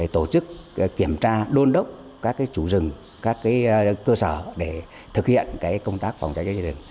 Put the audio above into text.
tổ chức kiểm tra đôn đốc các chủ rừng các cơ sở để thực hiện công tác phòng cháy cháy rừng